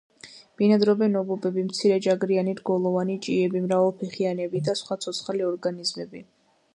ბინადრობენ ობობები, მცირეჯაგრიანი რგოლოვანი ჭიები, მრავალფეხიანები და სხვა ცოცხალი ორგანიზმები.